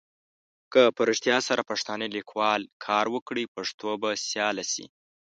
که په رېښتیا سره پښتانه لیکوال کار وکړي پښتو به سیاله سي.